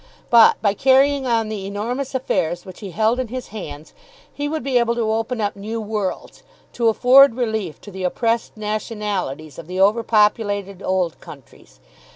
But by carrying on the enormous affairs which he held in his hands, he would be able to open up new worlds, to afford relief to the oppressed nationalities of the over populated old countries.